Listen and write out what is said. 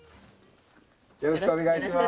よろしくお願いします。